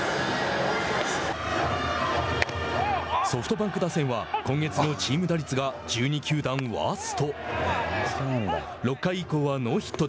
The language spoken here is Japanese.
ソフトバンク打線は今月のチーム打率が１２球団ワースト。